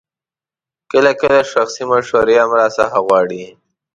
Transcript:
کله کله شخصي مشورې هم راڅخه غواړي.